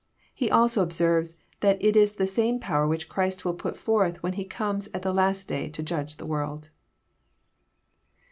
He also observes that it is the same power which Christ will put forth when He comes at the last day to Judge the world.